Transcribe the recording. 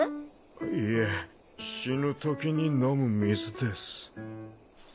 ・いえ死ぬときに飲む水です